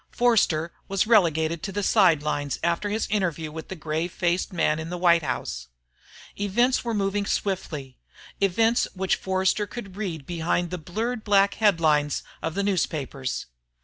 Forster was relegated to the sidelines after his interview with the grave faced man in the White House. Events were moving swiftly events which Forster could read behind the blurred black headlines of the newspapers.